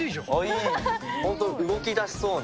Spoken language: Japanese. いい、本当、動きだしそうな。